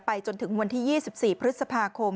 จนถึงวันที่๒๔พฤษภาคม